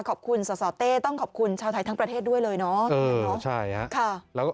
ขอบคุณสสเต้ต้องขอบคุณชาวไทยทั้งประเทศด้วยเลยเนาะ